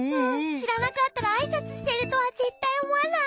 しらなかったらあいさつしてるとはぜったいおもわない。